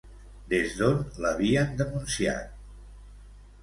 Des d'on l'havien denunciat?